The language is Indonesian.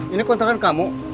ini kontrakan kamu